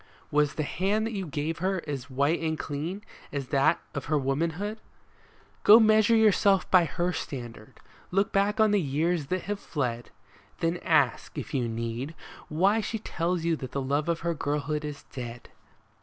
Was the hand that you gave her as white and clean as that of her womanhood ? OUTGROWN " 13 Go measure yourself by her standard. Look back on the years that have fled ; Then ask, if you need, why she tells you that the love of her girlhood is dead